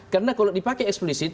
karena kalau dipakai explicit